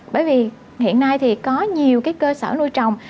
bởi vì hiện nay thì có nhiều cơ sở nuôi trồng